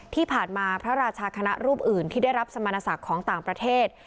พระราชาคณะรูปอื่นที่ได้รับสมณศักดิ์ของต่างประเทศ